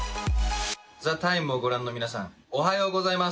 「ＴＨＥＴＩＭＥ，」を御覧の皆さん、おはようございます。